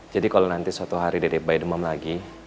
jadi kalau nanti suatu hari dede bay demam lagi